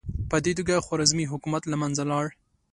په دې توګه خوارزمي حکومت له منځه لاړ.